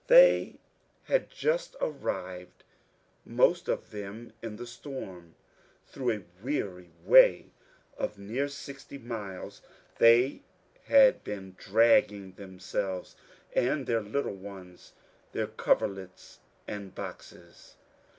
^ They had just arrived, most of them in the storm. Through a weary way of near sixty miles they had been dragging them selves and their little ones, their coverlets and boxes.